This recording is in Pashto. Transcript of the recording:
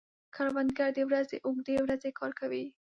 کروندګر د ورځې اوږدې ورځې کار کوي